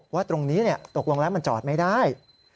ว่าตรงนี้ตกลงแล้วมันจอดไม่ได้